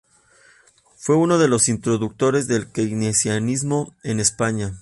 Fue uno de los introductores del keynesianismo en España.